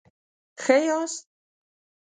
ښه یاست؟